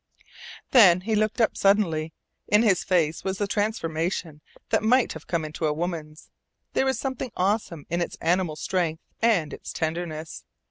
Then he looked up suddenly. In his face was the transformation that might have come into a woman's. There was something awesome in its animal strength and its tenderness.